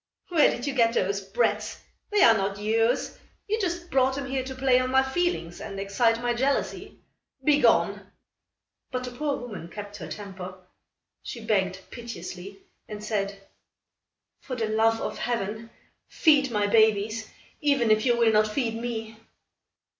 "Where did you get those brats? They are not yours. You just brought them here to play on my feelings and excite my jealousy. Begone!" But the poor woman kept her temper. She begged piteously and said: "For the love of Heaven, feed my babies, even if you will not feed me."